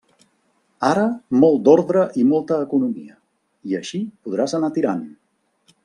Ara molt d'ordre i molta economia, i així podràs anar tirant.